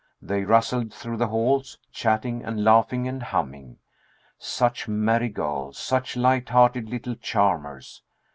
They rustled through the halls, chatting and laughing and humming. Such merry girls! Such light hearted little charmers!